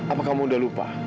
apa kamu udah lupa